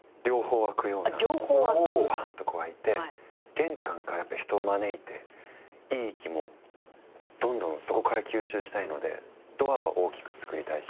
玄関からやっぱ人を招いていい気もどんどんそこから吸収したいのでドアは大きく造りたいし。